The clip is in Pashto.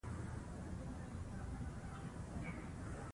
هغه ښځه د راډیواکټیف موادو په څېړنه بوخته وه.